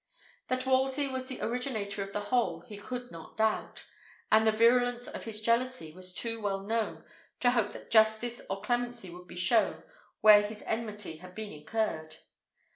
That Wolsey was the originator of the whole he could not doubt; and the virulence of his jealousy was too well known to hope that justice or clemency would be shown where his enmity had been incurred.